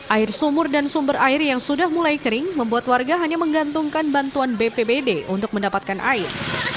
air sumur dan sumber air yang sudah mulai kering membuat warga hanya menggantungkan bantuan bpbd untuk mendapatkan air